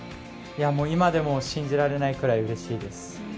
今でも信じられないくらいうれしいです。